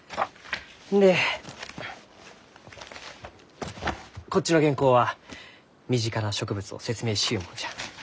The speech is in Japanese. でこっちの原稿は身近な植物を説明しゆうもんじゃ。